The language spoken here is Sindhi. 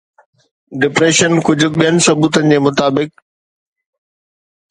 ڊپريشن ڪجهه ٻين ثبوتن جي مطابق